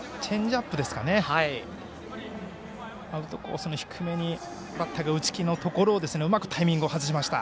アウトコースの低めにバッターが打ち気のところをうまくタイミングを外しました。